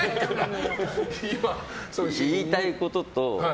言いたいことと。